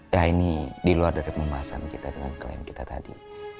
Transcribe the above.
ya ini di luar dari pembahasan kita dengan klien kita tadi